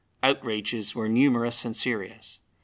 Outrages were numerous and serious.